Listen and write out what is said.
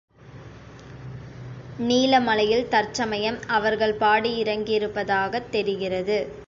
நீலமலையில் தற்சமயம் அவர்கள் பாடியிறங்கியிருப்பதாகத் தெரிகிறது.